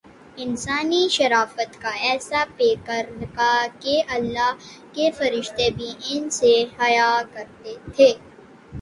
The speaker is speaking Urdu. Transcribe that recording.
انسانی شرافت کاایسا پیکرکہ اللہ کے فرشتے بھی ان سے حیا کرتے تھے۔